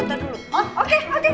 nanti ke sana